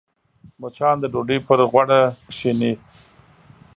مچان د ډوډۍ پر غوړه کښېني